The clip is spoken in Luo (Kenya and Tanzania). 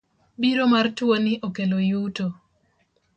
Biro mar tuo ni okelo yuto.